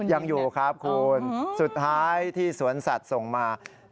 ยังอยู่ครับคุณสุดท้ายที่สวนสัตว์ส่งมา